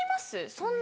そんな。